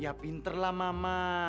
ya pinter lah mama